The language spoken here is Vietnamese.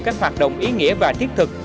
các hoạt động ý nghĩa và thiết thực